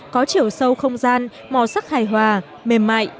có chiều sâu không gian màu sắc hài hòa mềm mại